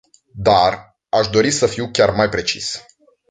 Dar, aș dori să fiu chiar mai precis.